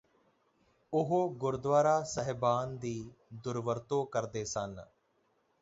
ਉਹ ਗੁਰਦਵਾਰਾ ਸਾਹਿਬਾਨ ਦੀ ਦੁਰਵਰਤੋਂ ਕਰਦੇ ਸਨ